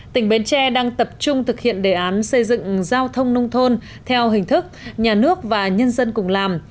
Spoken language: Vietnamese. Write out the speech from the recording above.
tỉnh bến tre đang tập trung thực hiện đề án xây dựng giao thông nông thôn theo hình thức nhà nước và nhân dân cùng làm